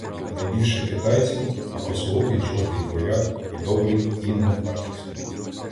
Найбільше китайців, а "косоокий" жовтий вояк — і добрий, і невартісний.